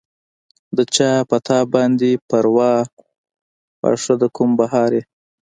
د چا پۀ تا باندې پرواه، واښۀ د کوم پهاړ ئې